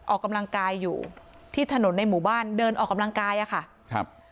ออกกำลังกายอยู่ที่ถนนในหมู่บ้านเดินออกกำลังกายอะค่ะครับ